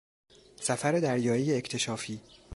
سفر دریایی اکتشافی